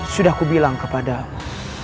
sudah kubilang kepadamu